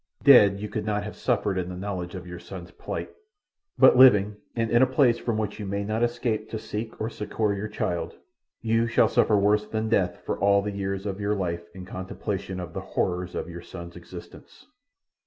"Dead, you could not have suffered in the knowledge of your son's plight; but living and in a place from which you may not escape to seek or succour your child, you shall suffer worse than death for all the years of your life in contemplation of the horrors of your son's existence.